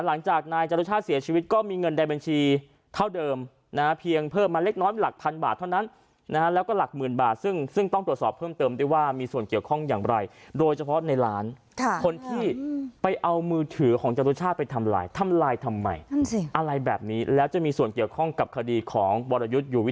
หลังจากนายจรุชาติเสียชีวิตก็มีเงินใดบัญชีเท่าเดิมนะฮะเพียงเพิ่มมาเล็กน้อยหลักพันบาทเท่านั้นนะฮะแล้วก็หลักหมื่นบาทซึ่งต้องตรวจสอบเพิ่มเติมด้วยว่ามีส่วนเกี่ยวข้องอย่างไรโดยเฉพาะในร้านคนที่ไปเอามือถือของจรุชาติไปทำลายทำลายทำไมนั่นสิอะไรแบบนี้แล้วจะมีส่วนเกี่ยวข้องกับคดีของวรยุทธ์อยู่วิ